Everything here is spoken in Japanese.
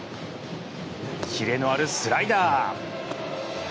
キレのあるスライダー